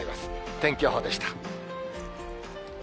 天気予報でした。